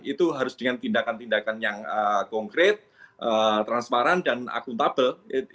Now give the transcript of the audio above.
itu harus dengan tindakan tindakan yang konkret transparan dan akuntabel